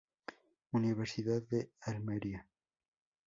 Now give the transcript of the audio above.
Universidad de Almería.